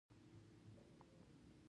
میمز کوچني فزیکي سیسټمونه دي.